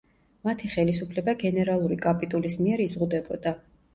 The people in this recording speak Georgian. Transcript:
მათი ხელისუფლება გენერალური კაპიტულის მიერ იზღუდებოდა.